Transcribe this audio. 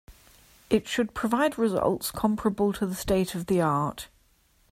It should provided results comparable to the state of the art.